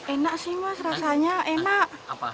enak sih mas rasanya enak